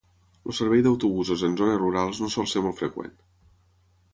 El servei d'autobusos en zones rurals no sol ser molt freqüent.